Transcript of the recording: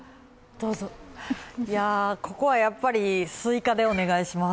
ここはやっぱりスイカでお願いします。